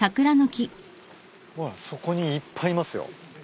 そこにいっぱいいますよ。